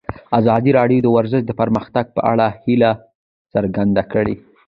ازادي راډیو د ورزش د پرمختګ په اړه هیله څرګنده کړې.